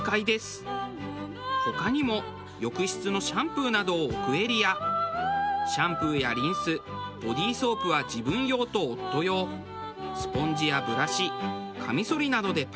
他にも浴室のシャンプーなどを置くエリアシャンプーやリンスボディーソープは自分用と夫用スポンジやブラシかみそりなどでパンパンです。